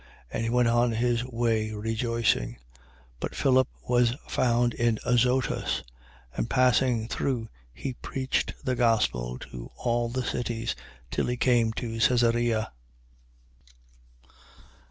And he went on his way rejoicing. 8:40. But Philip was found in Azotus: and passing through, he preached the gospel to all the cities, till he came to Caesarea.